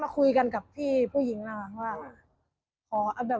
มันก็เลยมาคุยกันกับพี่ผู้หญิงนะว่า